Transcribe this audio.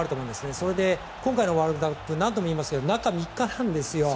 それで、今回のワールドカップ何度も言いますが中３日なんですよ。